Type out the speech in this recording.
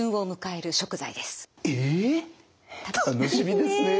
え楽しみですね。